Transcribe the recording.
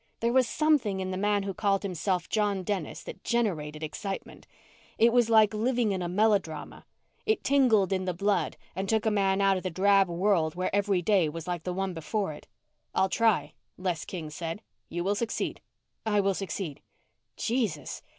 There was something in the man who called himself John Dennis that generated excitement. It was like living a melodrama. It tingled in the blood and took a man out of the drab world where every day was like the one before it. "I'll try," Les King said. "You will succeed." "I will succeed." Jesus!